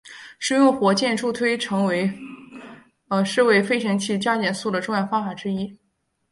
使用火箭助推是为飞行器加减速的重要方法之一。